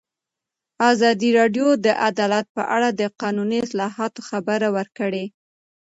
ازادي راډیو د عدالت په اړه د قانوني اصلاحاتو خبر ورکړی.